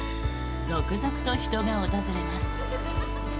続々と人が訪れます。